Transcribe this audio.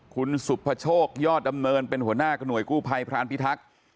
คุณสุภโชคยอดดำเนินเป็นหัวหน้ากระห่วยกู้ภัยพรานพิทักษ์